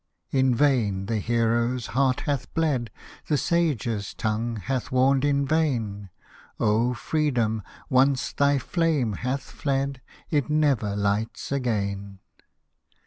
In vain the hero's heart hath bled ; The sage's tongue hath warned in vain ; O Freedom I once thy flame hath fled, It never lights again.